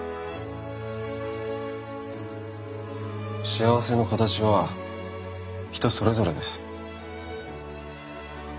幸せの形は人それぞれです。